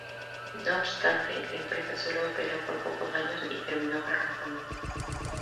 No obstante, la empresa solo operó por pocos años y terminó fracasando.